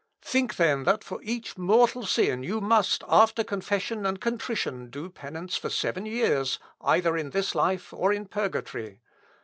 "Think, then, that for each mortal sin you must, after confession and contrition, do penance for seven years, either in this life or in purgatory.